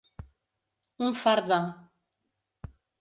Un fart de.